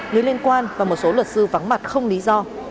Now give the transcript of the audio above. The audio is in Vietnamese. người liên quan và một số luật sư vắng mặt không lý do